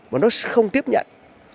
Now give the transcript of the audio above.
mà nó sẽ không tiếp nhận